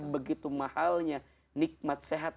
begitu mahalnya nikmat sehat